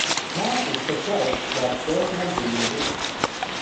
Mark is surprised, but does not believe it.